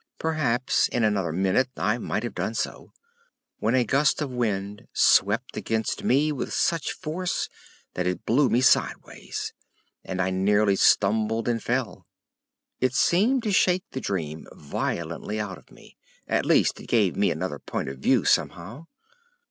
Perhaps in another minute I might have done so, when a gust of wind swept against me with such force that it blew me sideways, and I nearly stumbled and fell. It seemed to shake the dream violently out of me. At least it gave me another point of view somehow.